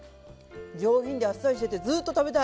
上品であっさりしててずっと食べたい。